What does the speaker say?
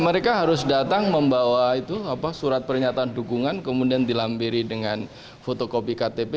mereka harus datang membawa surat pernyataan dukungan kemudian dilampiri dengan fotokopi ktp